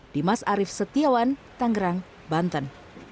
dimas arief setiawan tangerang banten